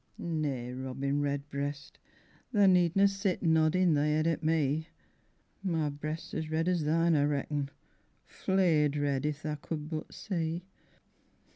IV Nay robin red breast, tha nedna Sit noddin' thy head at me; My breast's as red as thine, I reckon, Flayed red, if tha could but see.